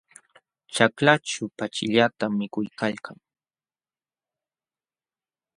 Ćhaklaćhu pachillatam mikuykalkan.